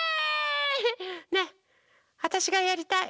ねえわたしがやりたい。